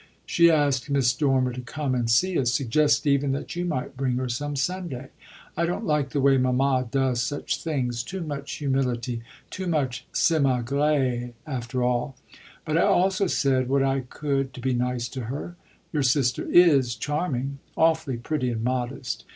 "She asked Miss Dormer to come and see us, suggested even that you might bring her some Sunday. I don't like the way mamma does such things too much humility, too many simagrées, after all; but I also said what I could to be nice to her. Your sister is charming awfully pretty and modest.